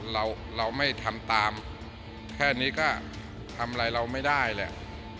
เราเราไม่ทำตามแค่นี้ก็ทำอะไรเราไม่ได้แหละ